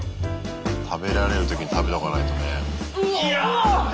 食べられるときに食べておかないとね。